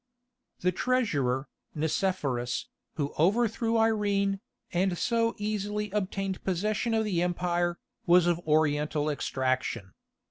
The treasurer, Nicephorus, who overthrew Irene, and so easily obtained possession of the empire, was of Oriental extraction.